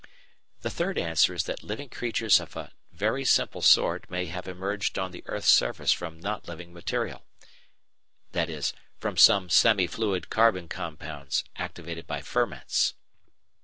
The third answer is that living creatures of a very simple sort may have emerged on the earth's surface from not living material, e.g. from some semi fluid carbon compounds activated by ferments.